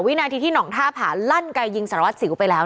วินาทีที่หนองท่าผาลั่นไกยิงสารวัสสิวไปแล้ว